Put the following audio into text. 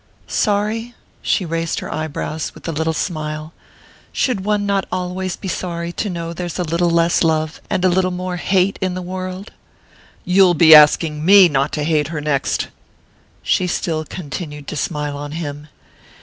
"Sorry?" She raised her eye brows with a slight smile. "Should one not always be sorry to know there's a little less love and a little more hate in the world?" "You'll be asking me not to hate her next!" She still continued to smile on him.